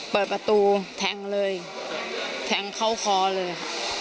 เปิดประตูแทงเลยแทงเข้าคอเลยค่ะ